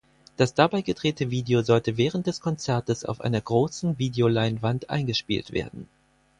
Das dabei gedrehte Video sollte während des Konzertes auf einer großen Video-Wand eingespielt werden.